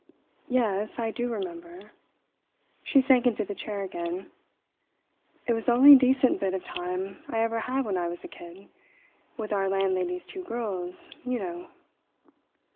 "Yes, I do remember." She sank into the chair again. "It was the only decent bit of time I ever had when I was a kid, with our landlady's two girls, you know."